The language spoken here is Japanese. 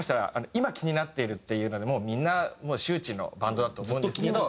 「今気になっている」っていうもうみんな周知のバンドだと思うんですけど。